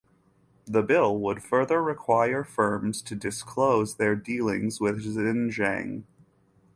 The bill would further require firms to disclose their dealings with Xinjiang.